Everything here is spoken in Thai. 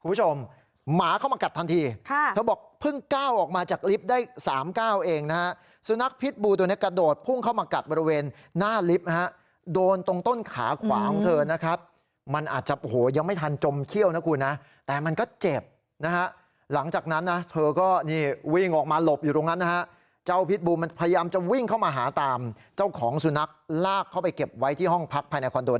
คุณผู้ชมหมาเข้ามากัดทันทีเธอบอกเพิ่งก้าวออกมาจากลิฟต์ได้๓ก้าวเองนะฮะสุนัขพิษบูตัวนี้กระโดดพุ่งเข้ามากัดบริเวณหน้าลิฟต์นะฮะโดนตรงต้นขาขวาของเธอนะครับมันอาจจะโหยังไม่ทันจมเขี้ยวนะคุณนะแต่มันก็เจ็บนะฮะหลังจากนั้นนะเธอก็นี่วิ่งออกมาหลบอยู่ตรงนั้นนะฮะเจ้าพิษ